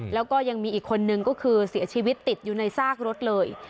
แล้วก็ยังมีอีกคนนึงก็คือเสียชีวิตติดอยู่ในซากรถเลย